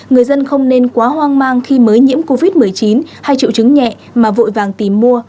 người dân không nên quá hoang mang khi mới nhiễm covid một mươi chín hay triệu chứng nhẹ mà vội vàng tìm mua